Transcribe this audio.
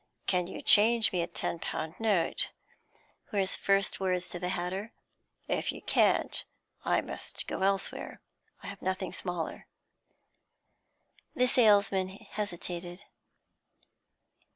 'Can you change me a ten pound note?' were his first words to the hatter. 'If you can't, I must go elsewhere; I have nothing smaller.' The salesman hesitated.